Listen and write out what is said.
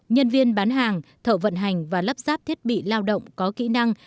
nhân viên bán hàng thợ vận hành và lắp ráp thiết bị lao động có kỹ năng